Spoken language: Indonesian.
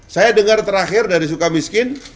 saya dengar terakhir dari sukamiskin